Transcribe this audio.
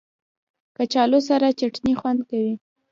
کچالو سره چټني خوند کوي